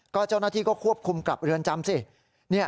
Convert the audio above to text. เจ้าหน้าที่ก็ควบคุมกลับเรือนจำสิ